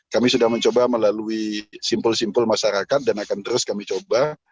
kami sudah mencoba melalui simpul simpul masyarakat dan akan terus kami coba